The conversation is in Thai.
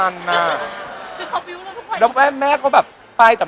เราก็เลยแบบไม่ได้